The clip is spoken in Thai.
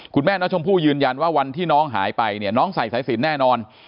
คุณแม่น้องชมพู่ยืนยันว่าวันที่น้องหายไปเนี่ยน้องใส่สายสินแน่นอน